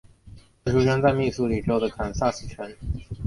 他出生在密苏里州的堪萨斯城。